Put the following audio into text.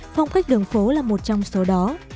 phong cách đường phố là một trong số đó